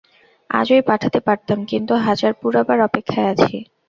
আজই পাঠাতে পারতাম, কিন্তু হাজার পুরাবার অপেক্ষায় আছি।